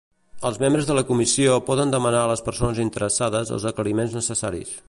Els membres de la Comissió poden demanar a les persones interessades els aclariments necessaris.